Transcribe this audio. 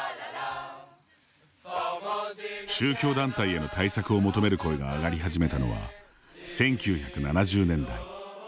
宗教団体への対策を求める声が上がり始めたのは１９７０年代。